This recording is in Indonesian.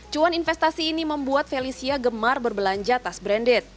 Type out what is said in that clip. cuan investasi ini membuat felicia gemar berbelanja tas branded